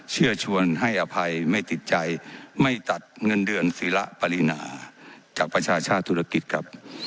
เชื่อชวนให้อภัยไม่ติดใจไม่ตัดเงินเดือนศิละปรินาจากประชาชาติธุรกิจครับ